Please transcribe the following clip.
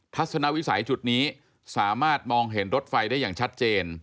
ทัศนวิสัยจุดนี้สามารถมองเห็นรถไฟได้อย่างชัดเจน